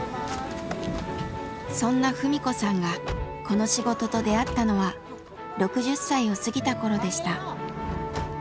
そんな文子さんがこの仕事と出会ったのは６０歳を過ぎた頃でした。